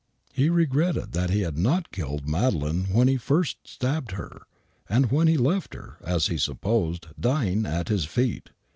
He regretted that he had not killed Madeleine when he first stabbed her, and when he left her, as he supposed, dying at his feet.